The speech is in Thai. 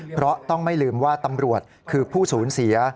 เพราะต้องไม่ลืมว่าตำรวจคือผู้สูญเสีย